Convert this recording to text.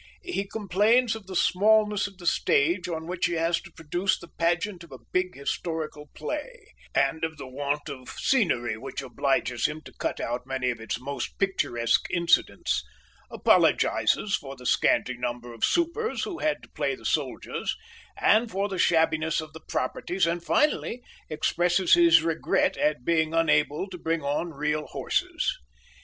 he complains of the smallness of the stage on which he has to produce the pageant of a big historical play, and of the want of scenery which obliges him to cut out many of its most picturesque incidents, apologises for the scanty number of supers who had to play the soldiers, and for the shabbiness of the properties, and, finally, expresses his regret at being unable to bring on real horses.